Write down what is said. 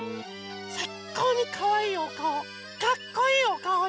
さいこうにかわいいおかおかっこいいおかおで。